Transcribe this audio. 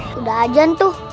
sudah ajan tuh